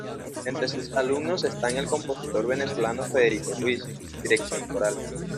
Entre sus alumnos están el compositor venezolano Federico Ruiz, dirección coral.